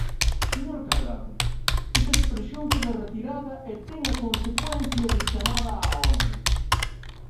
Señor Cadrado, esa expresión queda retirada e ten a consecuencia de chamada á orde.